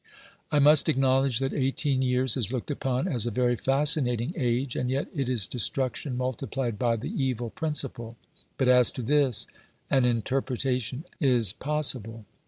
I must acknowledge that eighteen years is looked upon as a very fascinating age, and yet it is destruction multiplied by the evil principle, but as to this an interpretation is possible.